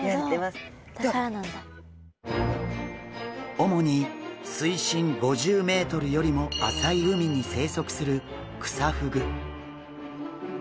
主に水深５０ｍよりも浅い海に生息するクサフグ。